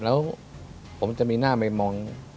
แล้วผมจะมีหน้าไปมอง